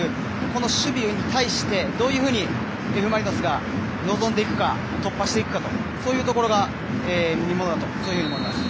この守備に対してどういうふうにＦ・マリノスが臨んでいくか突破していくかそういうところが見ものだと思います。